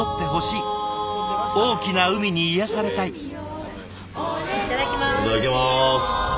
いただきます。